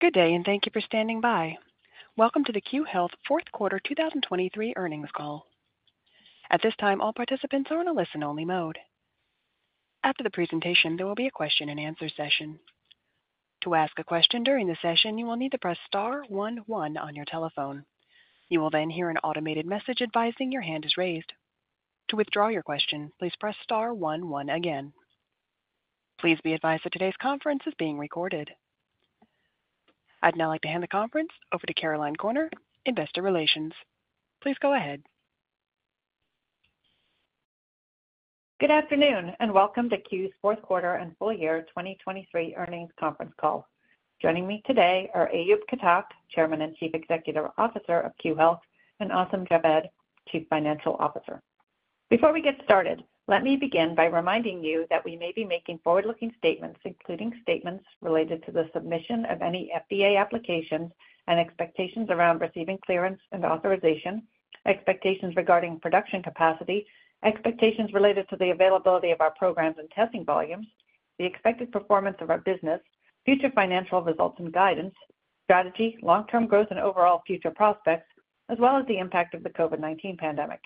Good day and thank you for standing by. Welcome to the Q Health Fourth Quarter 2023 Earnings Call. At this time, all participants are in a listen only mode. After the presentation, there will be a question and answer Please be advised that today's conference is being recorded. I'd now like to hand the conference over to Caroline Korner, Investor Relations. Please go ahead. Good afternoon, and welcome to Q's 4th quarter and full year 2023 earnings conference call. Joining me today are Ayub Khattak, Chairman and Chief Executive Officer of Q Health and Asim Jabed, Chief Financial Officer. Before we get started, let me begin by reminding you that we may be forward looking statements, including statements related to the submission of any FDA applications and expectations around receiving clearance and authorization, expectations regarding production capacity expectations related to the availability of our programs and testing volumes the expected performance of our business future financial results and guidance, strategy, long term growth and overall future prospects, as well as the impact of the COVID-nineteen pandemic.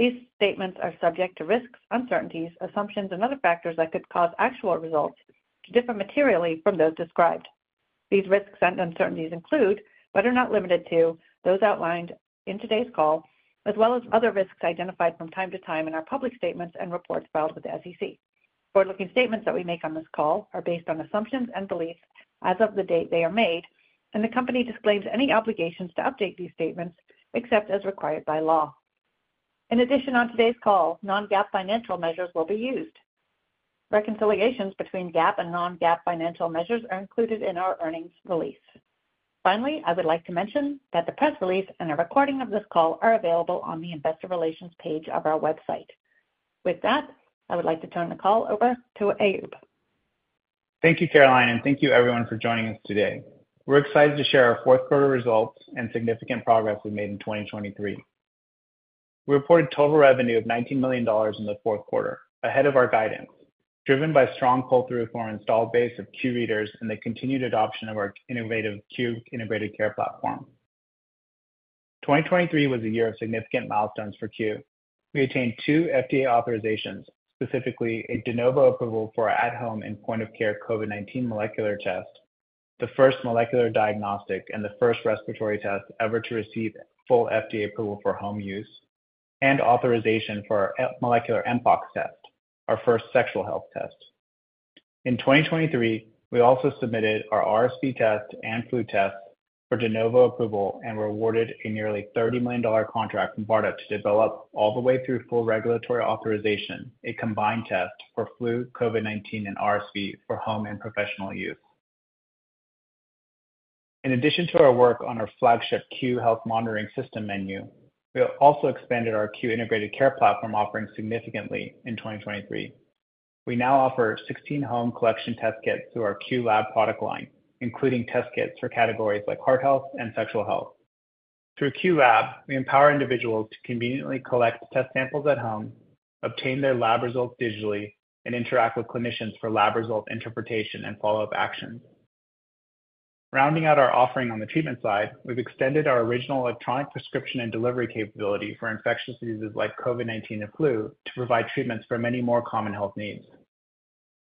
These statements are subject to risks, uncertainties, assumptions and other factors that could cause actual results to differ materially from those described. These risks and uncertainties include, but are not limited to, those outlined in today's call as well as other risks identified from time to time in our public statements and reports filed with the SEC. Forward looking statements that we make on this call are based on assumptions and beliefs as of the date they are made, and the company disclaims any obligations to update these statements except as required by law. In addition, on today's call, non GAAP financial measures will be used. Reconciliations between GAAP and non GAAP financial measures are included in our earnings release. Finally, I would like to mention that the press release and a recording of this call are available on the Investor Relations page of our website. With that, I would like to turn the call over to Aayub. Thank you, Caroline, and thank you, everyone, for joining us today. We're excited to share our 4th quarter results and significant progress we made in 2023. We reported total revenue of $19,000,000 in the 4th quarter, ahead of our guidance, driven by strong pull through from our installed base of Q Readers and the continued adoption of our innovative Q integrated care platform. 2023 was a year of significant milestones for CUE. We attained 2 FDA authorizations, specifically a de novo approval for at home and point of care COVID-nineteen molecular test, the 1st molecular diagnostic and the 1st respiratory test ever to receive full FDA approval for home use and authorization for molecular mpox test, our first sexual health test. In 2023, we also submitted our RSV test and flu test for de novo approval and were awarded a nearly $30,000,000 contract from BARDA to develop all the way through full regulatory authorization a combined test for flu, COVID-nineteen and RSV for home and professional use. In addition to our work on our flagship Q health monitoring system menu, we have also expanded our Q integrated care platform offering 2023. We now offer 16 home collection test kits through our Q Lab product line, including test kits for categories like heart health and sexual health. Through Q Lab, we empower individuals to conveniently collect test samples at home, obtain their lab results digitally and interact with clinicians for lab result interpretation and follow-up actions. Rounding out our offering on the treatment side, we've extended our original electronic prescription and delivery capability for infectious diseases like COVID-nineteen and flu to provide treatments for many more common health needs.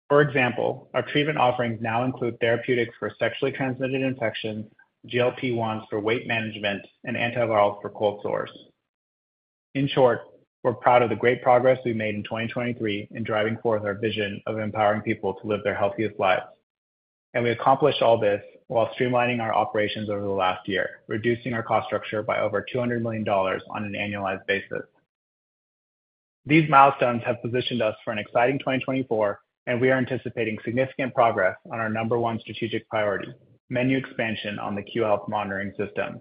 For example, our treatment offerings now include therapeutics for sexually transmitted infection, GLP-1s for weight management and antiviral for cold sores. In short, we're proud of the great progress we've made in 2023 in driving forth our vision of empowering people to live their healthiest lives. And we accomplished all this while streamlining our operations over the last year, reducing our cost structure by over $200,000,000 on an annualized basis. These milestones have positioned us for an exciting 2024 and we are anticipating significant progress on our number one strategic priority, menu expansion on the Q Health monitoring system.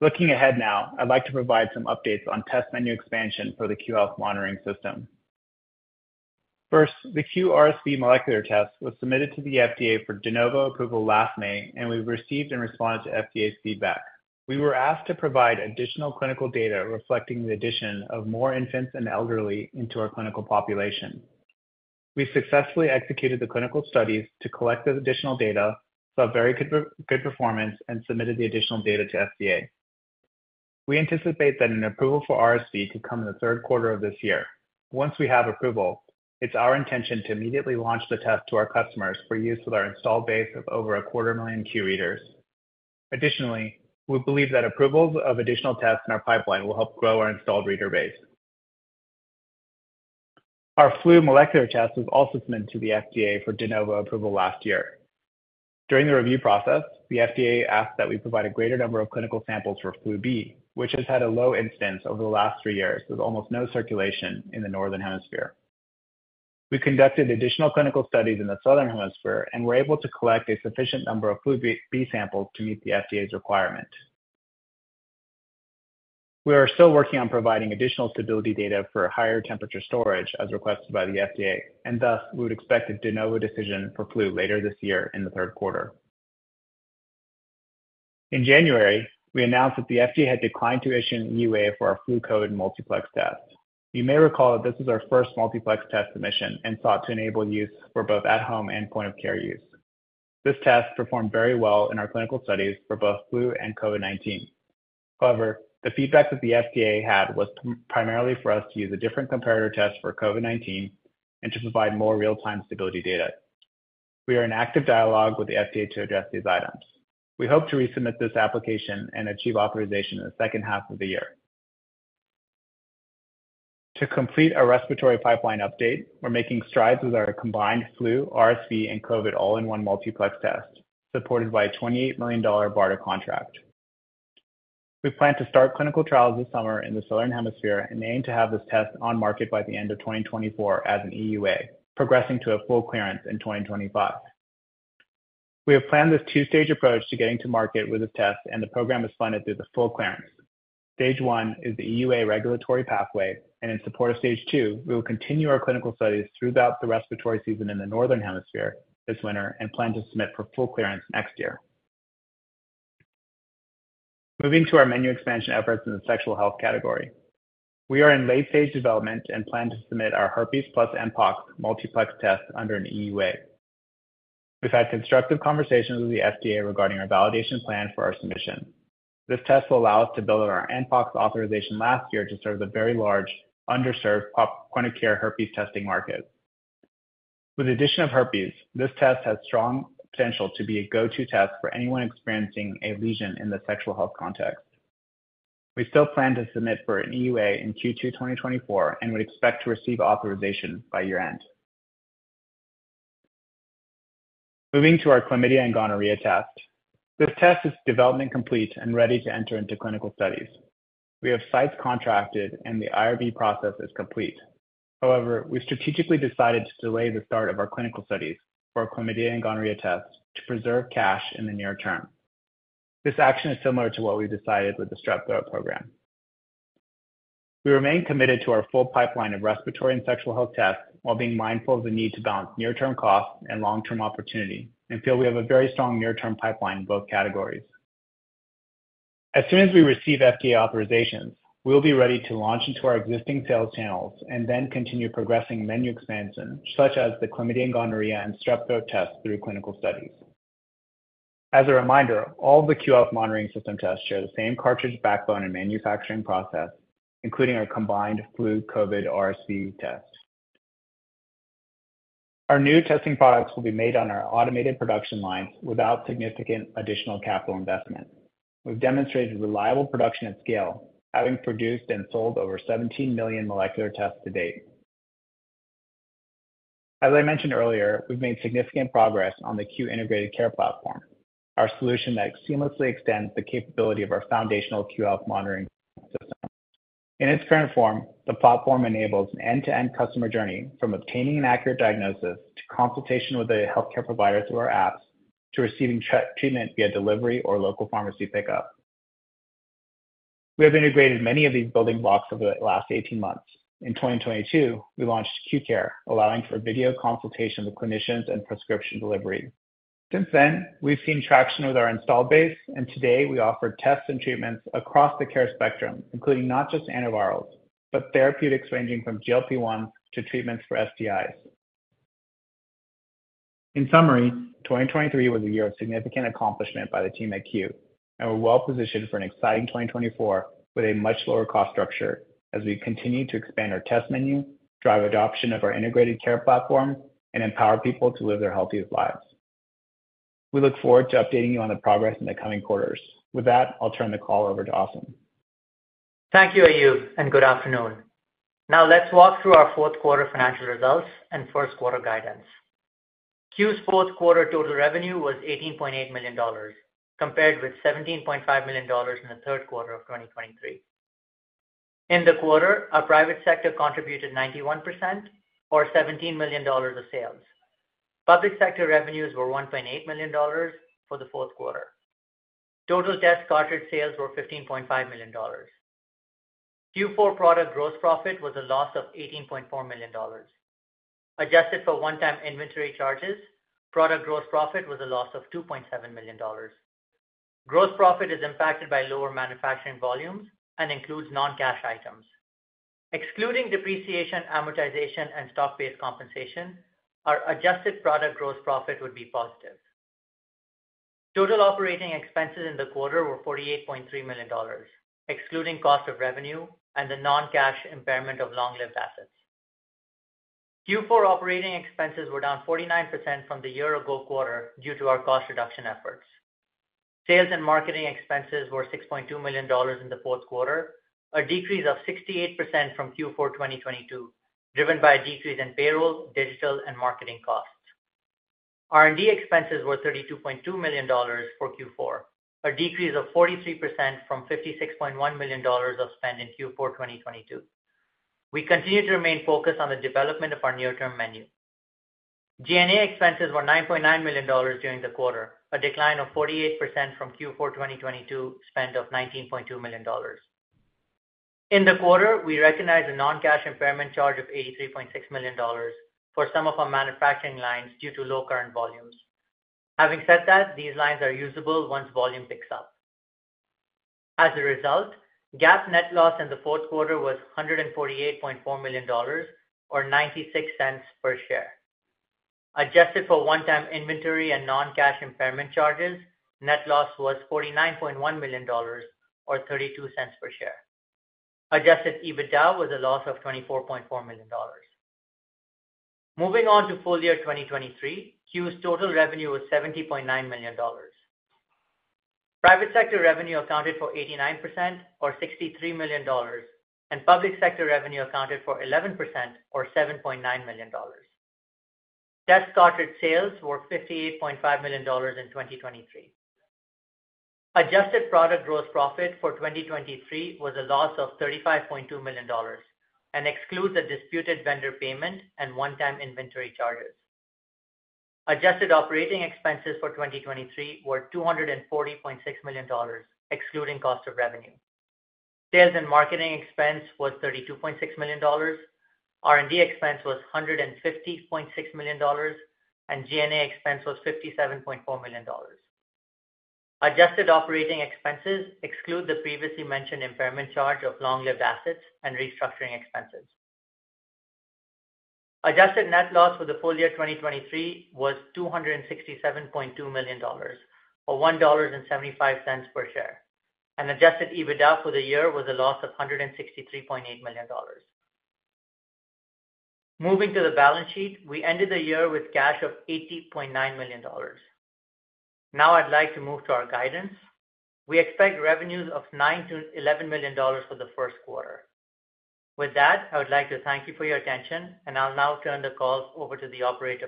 Looking ahead now, I'd like to provide some updates on test menu expansion for the Q Health monitoring system. First, the QRSV molecular test was submitted to the FDA for de novo approval last May and we received and responded to FDA feedback. We were asked to provide additional clinical data reflecting the addition of more infants and elderly into our clinical population. We successfully executed the clinical studies to collect this additional data, saw very good performance and submitted the additional data to FDA. We anticipate that an approval for RSV to come in the Q3 of this year. Once we have approval, it's our intention to immediately launch the test to our customers for use with our installed base of over a quarter 1000000 Q readers. Additionally, we believe that approvals of additional tests in our pipeline will help grow our installed reader base. Our flu molecular test was also submitted to the FDA for de novo approval last year. During the review process, the FDA asked that we provide a greater number of clinical samples for FLU B, which has had a low incidence over the last 3 years with almost no circulation in the Northern Hemisphere. We conducted additional clinical studies in the Southern Hemisphere and were able to collect a sufficient number of food B samples to meet the FDA's requirement. We are still working on providing additional stability data for higher temperature storage as requested by the FDA and thus we would expect the de novo decision for flu later this year in Q3. In January, we announced that the FDA had declined to issue in UA for our FlukeCode multiplex test. You may recall that this is our 1st multiplex test submission and sought to enable use for both at home and point of care use. This test performed very well in our clinical studies for both flu and COVID-nineteen. However, the feedback that the FDA had was primarily for us to use a different comparator test for COVID-nineteen and to provide more real time stability data. We are in active dialogue with the FDA to address these items. We hope to resubmit this application and achieve authorization in the second half of the year. To complete our respiratory pipeline update, we're making strides with our combined flu, RSV and COVID all in one multiplex test supported by a $28,000,000 BARDA contract. We plan to start clinical trials this summer in the Southern Hemisphere and aim to have this test on market by the end of 2024 as an EUA, progressing to a full clearance in 2025. We have planned this 2 stage approach to getting to market with this test and the program is funded through the full clearance. Stage 1 is the EUA regulatory pathway and in support of Stage 2, we will continue our clinical studies throughout the respiratory season in the Northern Hemisphere this winter and plan to submit for full clearance next year. Moving to our menu expansion efforts in the sexual health category. We are in late stage development and plan to submit our herpes plus mpox multiplex test under an EUA. We've had constructive conversations with the FDA regarding our validation plan for our submission. This test will allow us to build our NPOXX authorization last year to serve the very large underserved chronic care herpes testing market. With the addition of herpes, this test has strong potential to be a go to test for anyone experiencing a lesion in the sexual health context. We still plan to submit for an EUA in Q2, 2024 and would expect to receive authorization by year end. Moving to our chlamydia and gonorrhea test. This test is development complete and ready to enter into clinical studies. We have sites contracted and the IRB process is complete. However, we strategically decided to delay the start of our clinical studies for our chlamydia and gonorrhea tests to preserve cash in the near term. This action is similar to what we decided with the strep flare program. We remain committed to our full pipeline of respiratory and sexual health tests, while being mindful of the need to balance near term costs and long term opportunity and and feel we have a very strong near term pipeline in both categories. As soon as we receive FDA authorizations, we will be ready to launch into our existing sales channels and then continue progressing menu expansion such as the chlamydia and gonorrhea and strep throat test through clinical studies. As a reminder, all the Q health monitoring system tests show the same cartridge backbone and manufacturing process, including our combined flu COVID RC test. Our new testing products will be made on our automated production lines without significant additional capital investment. We've demonstrated reliable production at scale, having produced and sold over 17,000,000 molecular tests to date. As I mentioned earlier, we've made significant progress on the Q Integrated Care platform, our solution that seamlessly extends the capability of our QAUTH monitoring system. In its current form, the platform enables an end to end customer journey from obtaining an accurate diagnosis to consultation with a healthcare provider through our apps to receiving treatment via delivery or local pharmacy pickup. We have integrated many of these building blocks over the last 18 months. In 2022, we launched Q Care, allowing for video consultation with clinicians and prescription delivery. Since then, we've seen traction with our installed base and today we offer tests and treatments across the care spectrum including not just antivirals, but therapeutics ranging from GLP-one to treatments for STIs. In summary, 2023 was a year accomplishment by the team at CUE and we're well positioned for an exciting 2024 with a much lower cost structure as we continue to expand our test menu, drive adoption of our integrated care platform and empower people to live their healthiest lives. We look forward to updating you on the progress in the coming quarters. With that, I'll turn the call over to Austin. Thank you, Ayush, and good afternoon. Now let's walk through our Q4 financial results and Q1 guidance. Q's 4th quarter total revenue was $18,800,000 compared with $17,500,000 in the Q3 of 2023. In the quarter, our private sector contributed 91% or $17,000,000 of sales. Public sector revenues were $1,800,000 for the Q4. Total test cartridge sales were $15,500,000 Q4 product gross profit was a loss of $18,400,000 Adjusted for one time inventory charges, product gross profit was a loss of $2,700,000 Gross profit is impacted by lower manufacturing volumes and includes non cash items. Excluding depreciation, amortization and stock based compensation, our adjusted product gross profit would be positive. Total operating expenses in the quarter were $48,300,000 excluding cost of revenue and the non cash impairment of long lived assets. Q4 operating expenses were down 49% from the year ago quarter due to our cost reduction efforts. Sales and marketing expenses were $6,200,000 in the 4th quarter, a decrease of 68% from Q4 2022, driven by a decrease in payroll, digital and marketing costs. R and D expenses were $32,200,000 for Q4, a decrease of 43 percent from $56,100,000 of spend in Q4 2022. We continue to remain focused on the development of our near term menu. G and A expenses were $9,900,000 during the quarter, a decline of 48% from Q4 2022 spend of $19,200,000 In the quarter, we recognized a non cash impairment charge of $83,600,000 for some of our manufacturing lines due to low current volumes. Having said that, these lines are usable once volume picks up. As a result, GAAP net loss in the 4th quarter was $148,400,000 or $0.96 per share. Adjusted for one time inventory and non cash impairment charges, net loss was $49,100,000 or $0.32 per share. Adjusted EBITDA was a loss of $24,400,000 Moving on to full year 2023, CU's total revenue was $70,900,000 Private sector revenue accounted for 89% or $63,000,000 and public sector revenue accounted for 11% or $7,900,000 Test cartridge sales were $58,500,000 in 2023. Adjusted product gross profit for 2023 was a loss of $35,200,000 and excludes the disputed vendor payment and one time inventory charges. Adjusted operating expenses for 2023 were $240,600,000 excluding cost of revenue. Sales and marketing expense was $32,600,000 R and D expense was $150,600,000 and G and A expense was $57,400,000 Adjusted operating expenses exclude the previously mentioned impairment charge of long lived assets and restructuring expenses. Adjusted net loss for the full year 2023 was $267,200,000 or $1.75 per share. And adjusted EBITDA for the year was a loss of $163,800,000 Moving to the balance sheet, we ended the year with cash of $80,900,000 Now I'd like to move to our guidance. We expect revenues of $9,000,000 to $11,000,000 for the Q1. With that, I would like to thank you for your attention. And I'll now turn the call over to the operator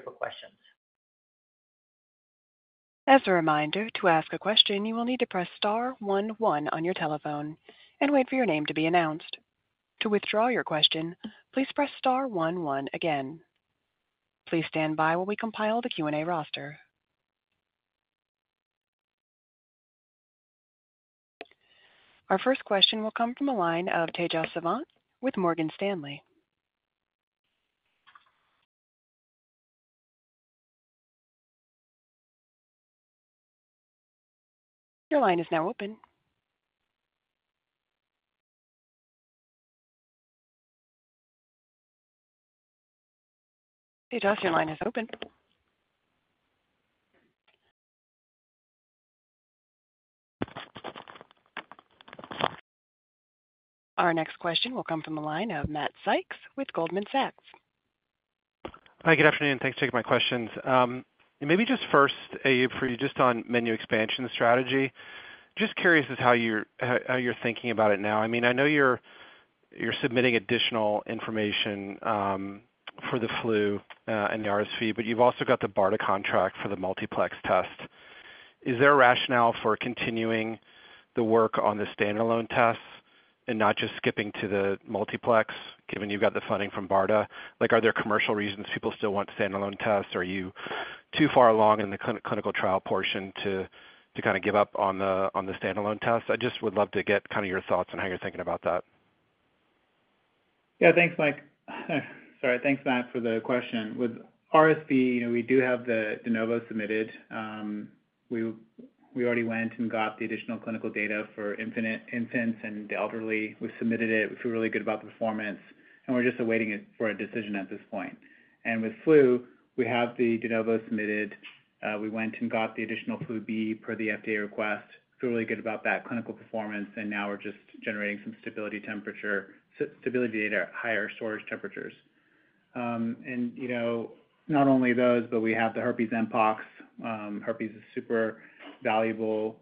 Our first question will come from the line of Tejasavant with Morgan Stanley. Your line is now open. Our next question will come from the line of Matt Sykes with Goldman Sachs. Hi, good afternoon. Thanks for taking my questions. Maybe just first, Ajei, for you just on menu expansion strategy. Just curious as how you're thinking about it now. I mean, I know you're submitting additional information for the flu and the RSV, but you've also got the BARDA contract for the multiplex test. Is there a rationale for continuing the work on the standalone tests and not just skipping to the multiplex given you've got the funding from BARDA? Like are there commercial reasons people still want standalone tests? Are you too far along in the clinical trial portion to kind of give up on the standalone tests? I just would love to get kind of your thoughts on how you're thinking about that? Yes. Thanks Mike. Sorry, thanks Matt for the question. With RSV, we do have the de novo submitted. We already went and got the additional clinical data for infants and the elderly. We submitted it. We feel really good about the performance. We're just awaiting it for a decision at this point. And with flu, we have the de novo submitted. We went and got the additional flu B per the FDA request. Feel really good about that clinical performance and now we're just generating some stability temperature stability data at higher storage temperatures. And not only those, but we have the herpes mpox. Herpes is super valuable.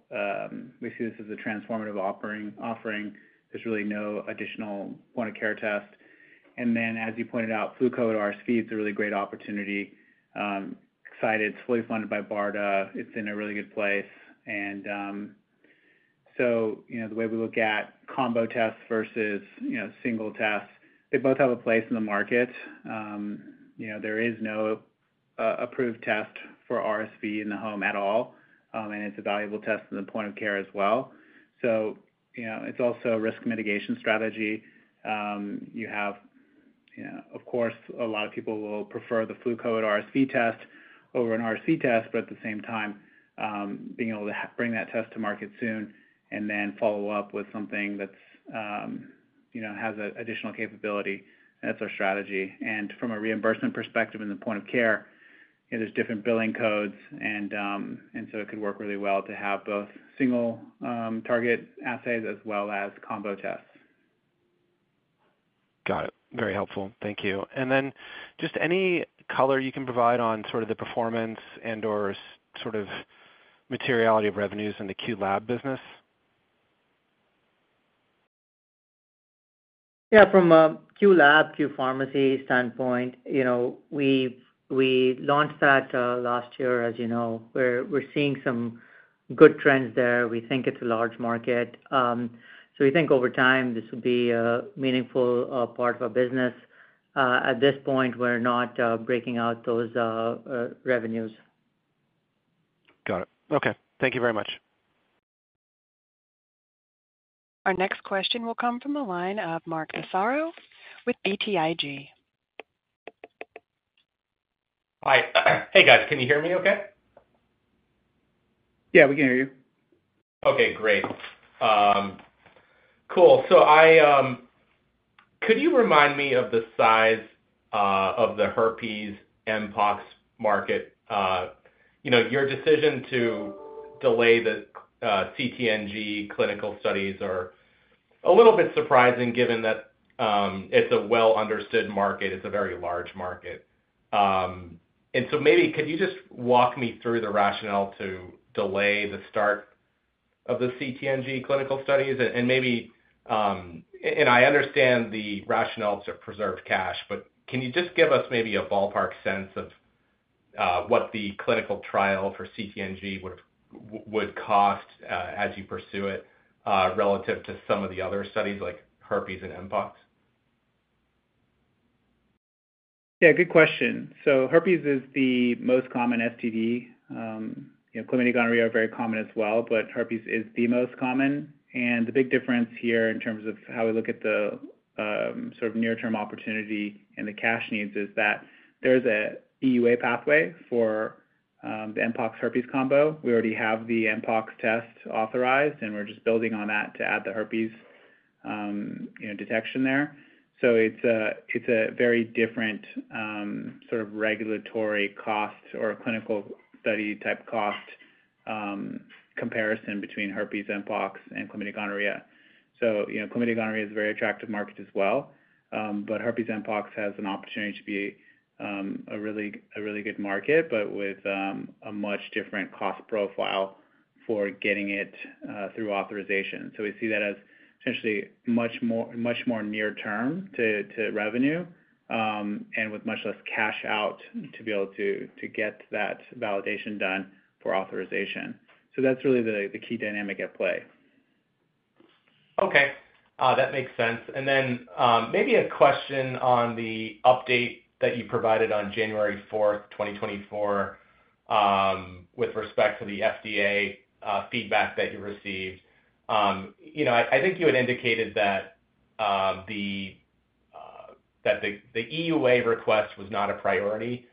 We see this as a transformative offering. There's really no additional point of care test. And then as you pointed out, Fluko at RSV is a really great opportunity. Excited, it's fully funded by BARDA. It's in a really good place. And so the way we look at combo tests versus single tests, they both have a place in the market. There is no approved test for RSV in the home at all. And it's a valuable test in the point of care as well. So it's also a risk mitigation strategy. You have, of course, a lot of people will prefer the flu COVID RSV test over an RSV test, but at the same time, being able to bring that test to market soon and then follow-up with something that's has additional capability. That's our strategy. And from a reimbursement perspective and the point of care, there's different billing codes and so it can work really well to have both single target assays as well as combo tests. Got it. Very helpful. Thank you. And then just any color you can provide on sort of the performance and or sort of materiality of revenues in the Q Lab business? Yes. From a Q Lab, Q Pharmacy standpoint, we launched that last year as you know, where we're seeing some good trends there. We think it's a large market. So we think over time this would be a meaningful part of our business. At this point, we're not breaking out those revenues. Got it. Okay. Thank you very much. Our next question will come from the line of Mark Massaro with BTIG. Hi. Hey guys, can you hear me okay? Yes, we can hear you. Okay, great. Cool. So I could you remind me of the size of the herpes mpox market? Your decision to delay the CTNG clinical studies are a little bit surprising given that it's a well understood market, it's a very large market. And so maybe can you just walk me through the rationale to delay the start of the CTNG clinical studies? And maybe and I understand the rationale to preserve cash, but can you just give us maybe a ballpark sense of what the clinical trial for CTNG would cost as you pursue it relative to some of the other studies like herpes and mbox? Yes, good question. So herpes is the most common STD. Chlamydia gonorrhea are very common as well, but herpes is the most common. And the big difference here in terms of how we look at the sort of near term opportunity and the cash needs is that there is a EUA pathway for the MPOX herpes combo. We already have the MPOX test authorized and we're just building on that to add the herpes detection there. So it's a very different sort of regulatory costs or clinical study type cost comparison between herpes and pox and chlamydia gonorrhea. So chlamydia gonorrhea is a very attractive market as well. But herpes and pox has an opportunity to be a really good market, but with a much different cost profile for getting it through authorization. So we see that as essentially much more near term to revenue and with much less cash out to be able to get that validation done for authorization. So that's really the key dynamic at play. Okay. That makes sense. And then maybe a question on the update that you provided on January 4, 2024, with respect to the FDA feedback that you received. I think you had indicated that the EUA request was not a priority.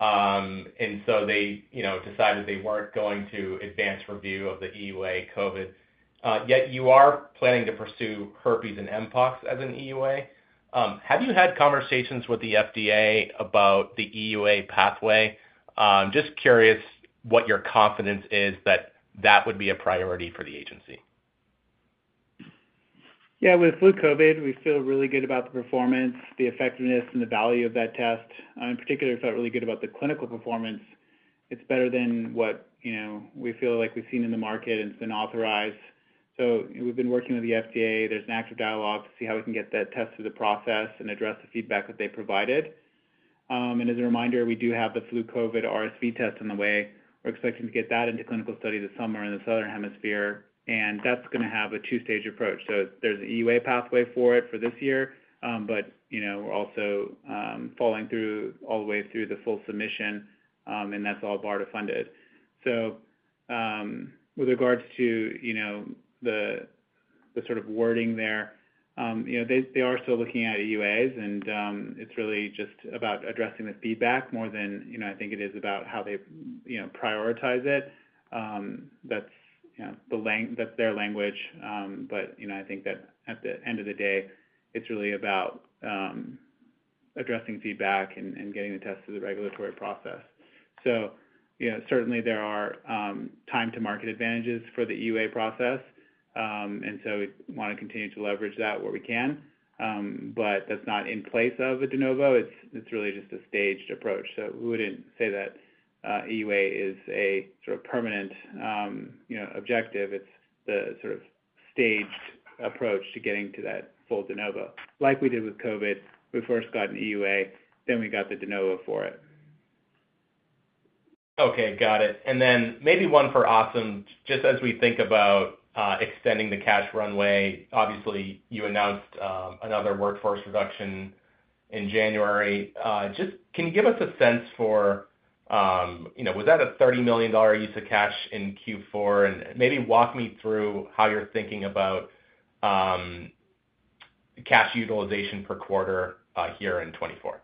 And so they decided they weren't going to advance review of the EUA COVID. Yet you are planning to pursue herpes and mpox as an EUA. Have you had conversations with the FDA about the EUA pathway? Just curious what your confidence is that that would be a priority for the agency? Yes. With flu COVID, we feel really good about the performance, the effectiveness and the value of that test. In particular, we felt really good about the clinical performance. It's better than what we feel like we've seen in the market and it's been authorized. So we've been working with the FDA. There's an active dialogue to how we can get that test through the process and address the feedback that they provided. And as a reminder, we do have the flu COVID RSV test in the way. We're expecting to get that into clinical study this summer in the Southern Hemisphere and that's going to have a 2 stage approach. So there's an EUA pathway for it for this year, but we're also falling through all the way through the full submission, and that's all BARDA funded. So with regards to the sort of wording there, they are still looking at AUAs and it's really just about addressing the feedback more than I think it is about how they prioritize it. That's the that's their language. But I think that at the end of the day, it's really about addressing feedback and getting the test to the regulatory process. So certainly there are time to market advantages for the EUA process. And so we want to continue to leverage that where we can. But that's not in place of a de novo. It's really just a staged approach. So we wouldn't say that EUA is a sort of permanent objective. It's the sort of staged approach to getting to that full de novo. Like we did with COVID, we first got an EUA, then we got the de novo for it. Okay, got it. And then maybe one for Asim, just as we think about extending the cash runway, obviously, you announced another workforce reduction in January. Just can you give us a sense for, was that a $30,000,000 use of cash in Q4? And maybe walk me through how you're thinking about cash utilization per quarter here in 2024?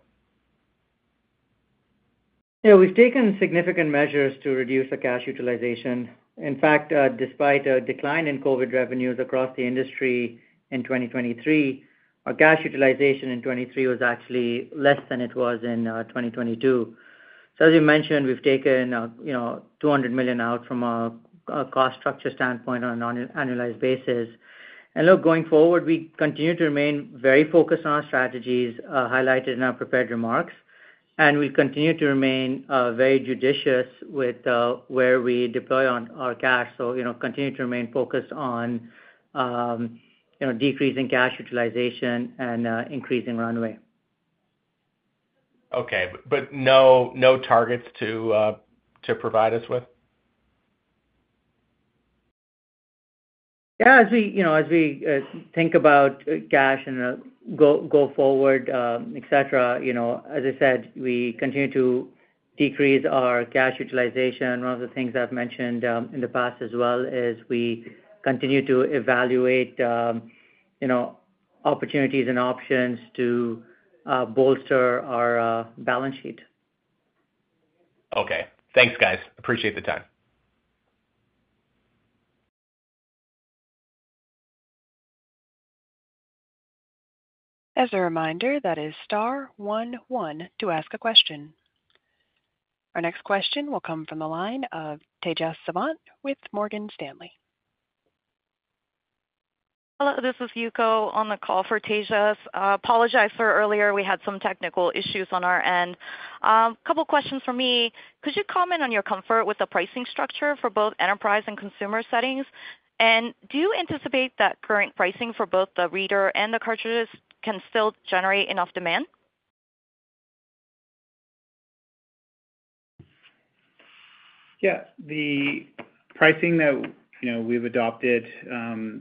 Yes. We've taken significant measures to reduce the cash utilization. In fact, despite a decline in COVID revenues across industry in 2023, our cash utilization in 2023 was actually less than it was in 2022. So as you mentioned, we've taken $200,000,000 out from a cost structure standpoint on an annualized basis. And look, going forward, we continue to remain very focused on our strategies highlighted in our prepared remarks. And we continue to remain very judicious with where we deploy on our cash. So continue to remain focused on decreasing cash utilization and increasing runway. Okay. But no targets to provide us with? Yes. As we think about cash and go forward, etcetera, as I said, we continue to decrease our cash utilization. One of the things I've mentioned in the past as well is we continue to evaluate opportunities and options to bolster our balance sheet. Okay. Thanks guys. Appreciate the time. Our next question will come from the line of Tejas Savant with Morgan Stanley. This is Yuko on the call for Tasia. I apologize for earlier we had some technical issues on our end. A couple of questions for me. Could you comment on your comfort with the pricing structure for both enterprise and consumer settings? And do you anticipate that current pricing for both the reader and the cartridges can still generate enough demand? Yes. The pricing that we've adopted,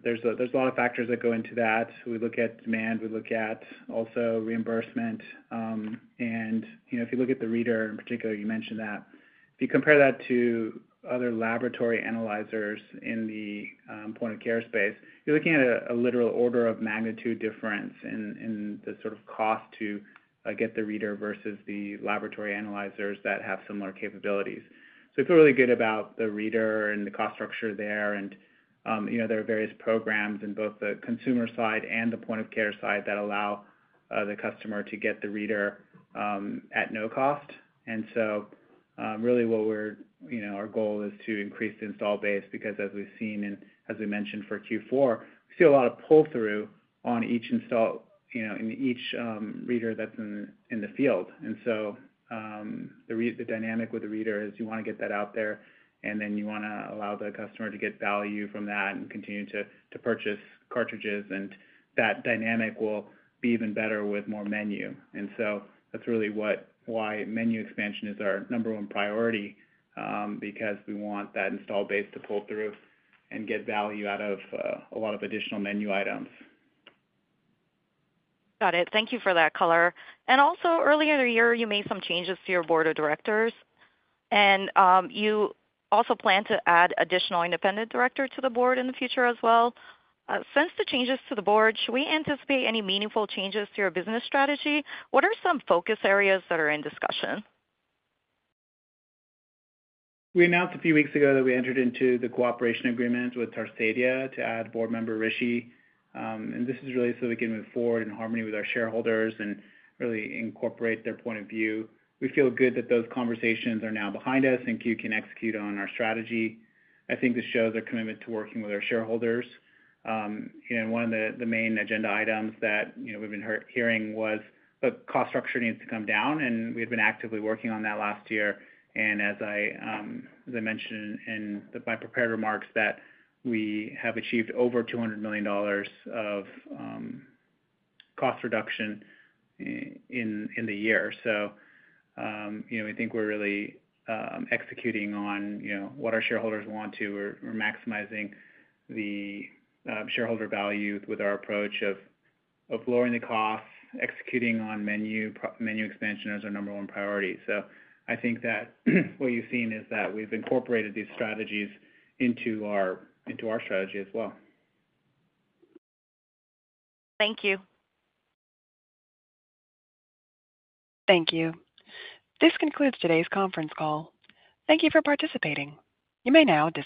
there's a lot of factors that go into that. We look at demand, we look at also reimbursement. And if you look at the reader in particular, you mentioned that. If you compare that to other laboratory analyzers in the point of care space, you're looking at a literal order of magnitude difference in the sort of cost to get the reader versus the laboratory analyzers that have similar capabilities. So we feel really good about the reader and the cost structure there and there are various programs in both the consumer side and the point of care side that allow the customer to get the reader at no cost. And so really what we're our goal is to increase the install base because as we've seen and as we mentioned for Q4, we see a lot of pull through on each install in each reader that's in the field. And so the dynamic with the reader is you want to get that out there and then you want to allow the customer to get value from that and continue to purchase cartridges and that dynamic will be even better with more menu. And so that's really why menu expansion is our number one priority, because we want that installed base to pull through and get value out of a lot of additional menu items. Got it. Thank you for that color. And also earlier in the year, you made some changes to your Board of Directors. And, you also plan to add additional independent director to the Board in the future as well. Since the changes to the board, should we anticipate any meaningful changes to your business strategy? What are some focus areas that are in discussion? We announced a few weeks ago that we entered into the cooperation agreement with Tarsadia to add Board member Rishi. And this is really so we can move forward in harmony with our shareholders and really incorporate their point of view. We feel good that those conversations are now behind us and Q can And one of the main agenda items that we've been hearing was the cost structure needs to come down and we've been actively working on that last year. And as I mentioned in my prepared remarks that we have achieved over $200,000,000 of cost reduction in the year. So, we think we're really executing on what our shareholders want to. We're maximizing the shareholder value with our approach of lowering the costs, executing on menu expansion as our number one priority. So I think that what you've seen is that we've incorporated these strategies into our strategy as well. Thank you. Thank you. This concludes today's conference call. Thank you for participating. You may now